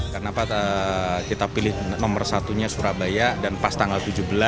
karena kita pilih nomor satunya surabaya dan pas tanggal tujuh belas